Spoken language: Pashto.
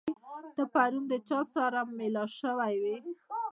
ته پرون د چا سره مېلاو شوی وې؟